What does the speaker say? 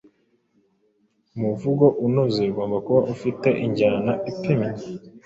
Umuvugo unoze ugomba kuba ufite injyana ipimye,